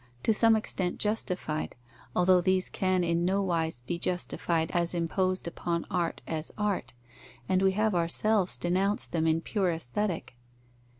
to some extent justified, although these can in no wise be justified as imposed upon art as art, and we have ourselves denounced them in pure Aesthetic.